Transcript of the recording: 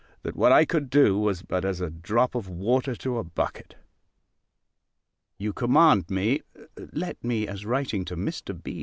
that what I could do, was but as a drop of water to a bucket. You command me Let me, as writing to Mr. B.'